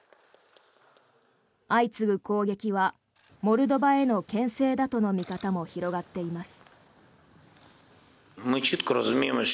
相次ぐ攻撃はモルドバへのけん制だとの見方も広がっています。